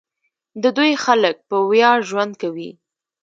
د دوی خلک په ویاړ ژوند کوي.